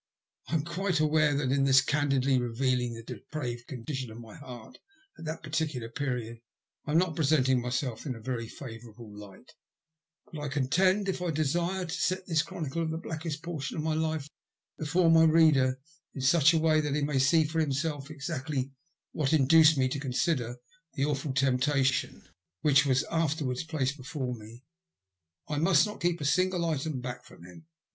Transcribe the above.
I am quite aware that in thus candidly revealing the depraved condition of my heart at that particular period I am not presenting myself in a very favourable light ; but, I contend, if I desire to set this chronicle of the blackest portion of my life before my reader in such a way that he may see for himself exactly what induced me to consider the awful temptation which was afterwards placed before me, I must not keep any single item back from him.